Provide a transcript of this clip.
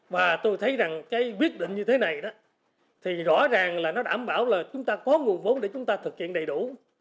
và tôi thấy rằng cái quyết định như thế này đó thì rõ ràng là nó đảm bảo là chúng ta có nguồn vốn để chúng ta thực hiện đầy đủ